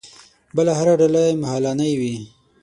بله هره ډالۍ مهالنۍ وي.